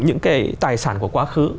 những cái tài sản của quá khứ